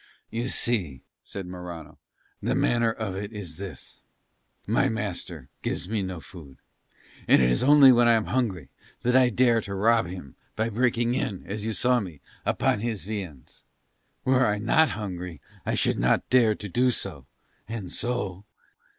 "You see," said Morano, "the manner of it is this: my master gives me no food, and it is only when I am hungry that I dare to rob him by breaking in, as you saw me, upon his viands; were I not hungry I should not dare to do so, and so